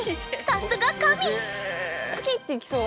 さすが神！